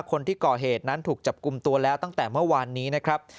คนที่ก่อเหตุนั้นถูกจับกลุ่มตัวแล้วตั้งแต่เมื่อวานนี้นะครับ